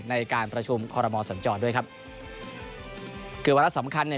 ในการประชุมคอรมอสัญจรด้วยครับคือวาระสำคัญเนี่ย